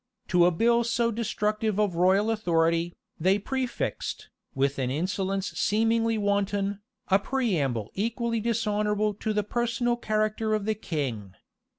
To a bill so destructive of royal authority, they prefixed, with an insolence seemingly wanton, a preamble equally dishonorable to the personal character of the king.